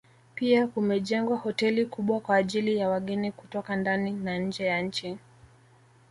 Pia kumejengwa hoteli kubwa kwa ajili ya wageni kutoka ndani na nje ya nchi